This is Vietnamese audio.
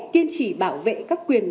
tiên trì bảo vệ các quyền